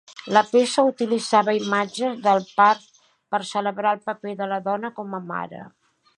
La peça utilitzava imatges del part per celebrar el paper de la dona com a mare.